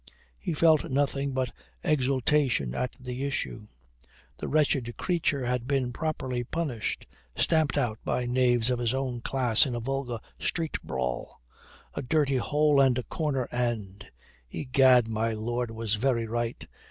He felt nothing but exultation at the issue. The wretched creature had been properly punished stamped out by knaves of his own class in a vulgar street brawl a dirty hole and corner end. Egad, my lord was very right.